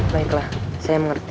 baiklah saya mengerti